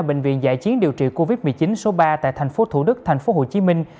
bệnh viện giải chiến điều trị covid một mươi chín số ba tại thành phố thủ đức thành phố hồ chí minh